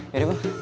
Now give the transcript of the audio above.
ya udah bang